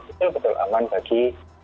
betul betul aman bagi